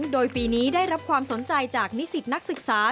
โดยปีนี้ได้รับความสนใจจากนิสิตนักศึกษา